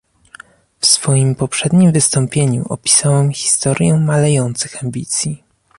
W swoim poprzednim wystąpieniu opisałem historię malejących ambicji